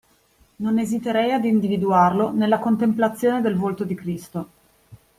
Non esiterei ad individuarlo nella contemplazione del volto di Cristo